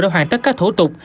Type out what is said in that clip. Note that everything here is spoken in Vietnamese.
đã hoàn tất các thổ tục